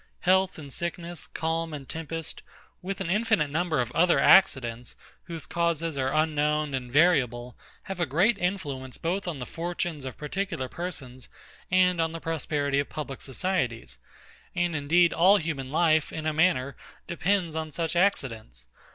Health and sickness, calm and tempest, with an infinite number of other accidents, whose causes are unknown and variable, have a great influence both on the fortunes of particular persons and on the prosperity of public societies; and indeed all human life, in a manner, depends on such accidents.